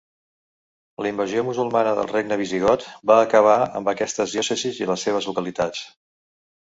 La invasió musulmana del regne visigot va acabar amb aquestes diòcesis i les seves localitats.